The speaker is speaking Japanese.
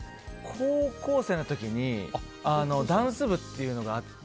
高校生の時にダンス部っていうのがあって。